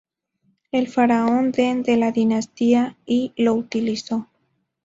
El faraón Den, de la dinastía I, lo utilizó.